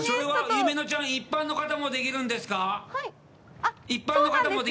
ゆめのちゃん、一般の方もできるんですか？